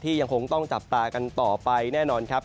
ยังคงต้องจับตากันต่อไปแน่นอนครับ